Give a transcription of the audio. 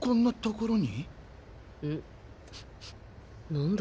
何だ？